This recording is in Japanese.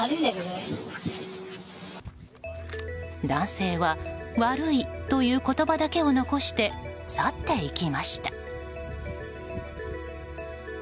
男性は悪いという言葉だけを残して去っていきました。